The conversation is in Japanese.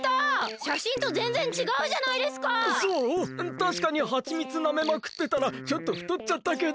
たしかにハチミツなめまくってたらちょっとふとっちゃったけど。